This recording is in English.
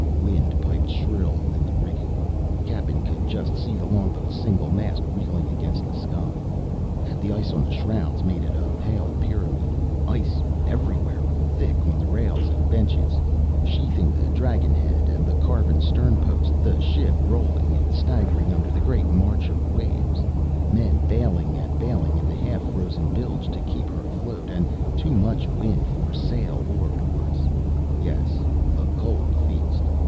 Wind piped shrill in the rigging. Cappen could just see the longboat's single mast reeling against the sky. The ice on the shrouds made it a pale pyramid. Ice everywhere, thick on the rails and benches, sheathing the dragon head and the carved stern post, the ship rolling and staggering under the great march of waves, men bailing and bailing in the half frozen bilge to keep her afloat, and too much wind for sail or oars. Yes a cold feast!